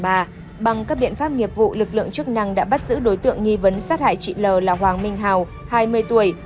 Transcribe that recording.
bằng các biện pháp nghiệp vụ lực lượng chức năng đã bắt giữ đối tượng nghi vấn sát hại chị l là hoàng minh hào hai mươi tuổi